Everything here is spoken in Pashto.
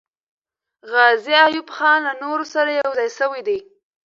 غازي ایوب خان له نورو سره یو ځای سوی دی.